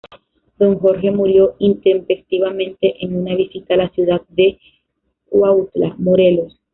Don Jorge murió intempestivamente en una visita a la ciudad de Cuautla, Morelos.